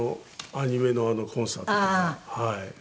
アニメのコンサートとかはい。